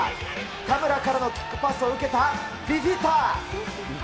田村からのキックパスを受けた、フィフィタ。